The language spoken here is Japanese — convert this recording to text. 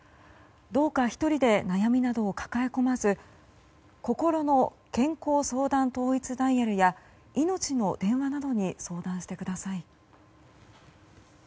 どうか１人で悩みなどを抱え込まずこころの健康相談統一ダイヤルやいのちの電話などに相談してください。